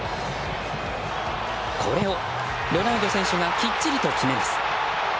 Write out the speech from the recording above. これをロナウド選手がきっちりと決めます。